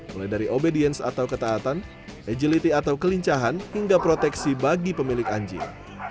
mulai dari obedience atau ketaatan agility atau kelincahan hingga proteksi bagi pemilik anjing